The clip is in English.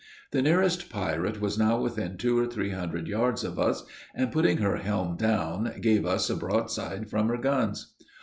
The nearest pirate was now within two or three hundred yards of us, and, putting her helm down, gave us a broadside from her guns.